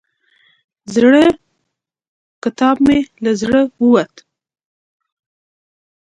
زړه کتاب مې له زړه ووت.